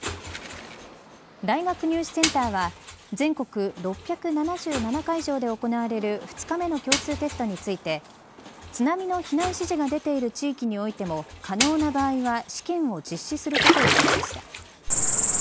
大学入試センターは全国６７７会場で行われる２日目の共通テストについて津波の避難指示が出ている地域においても可能な場合は試験を実施することを決めました。